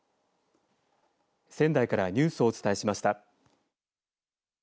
仙台からニュースをお伝えしました。